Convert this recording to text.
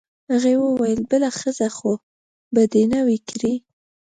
هغې وویل: بله ښځه خو به دي نه وي کړې؟